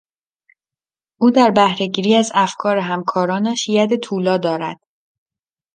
او در بهرهگیری از افکار همکارانش ید طولا دارد.